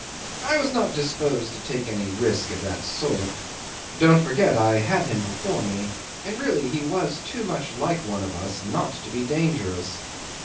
I was not disposed to take any risk of that sort. Don't forget I had him before me, and really he was too much like one of us not to be dangerous.